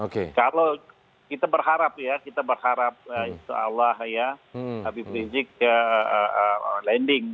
kalau kita berharap ya kita berharap insya allah ya habib rizik landing